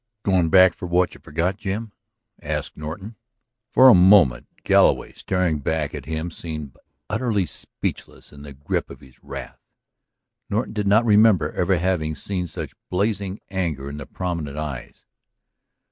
"Going back for what you forgot, Jim?" asked Norton. For a moment Galloway, staring back at him, seemed utterly speechless in the grip of his wrath. Norton did not remember ever having seen such blazing anger in the prominent eyes.